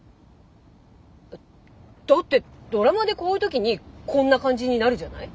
だってドラマでこういう時にこんな感じになるじゃない？